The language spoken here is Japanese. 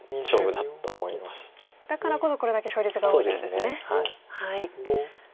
だからこそこれだけ勝率が動いてるんですね。